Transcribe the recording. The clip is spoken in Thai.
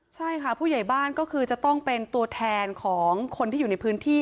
ใช่ค่ะผู้ใหญ่บ้านก็คือจะต้องเป็นตัวแทนของคนที่อยู่ในพื้นที่